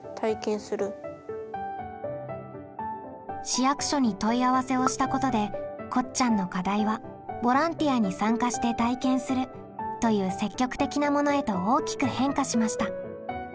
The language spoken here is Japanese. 市役所に問い合わせをしたことでこっちゃんの課題は「ボランティアに参加して体験する」という積極的なものへと大きく変化しました。